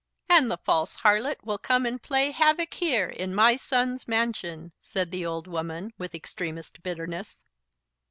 "And the false harlot will come and play havoc here, in my son's mansion," said the old woman with extremest bitterness.